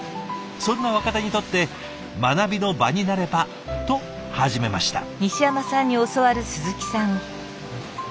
そんな若手にとって学びの場になればと始めました。